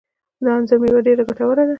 د انځر مېوه ډیره ګټوره ده